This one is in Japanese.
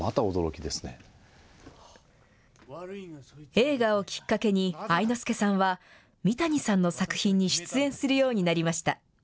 映画をきっかけに、愛之助さんは、三谷さんの作品に出演するようになりました。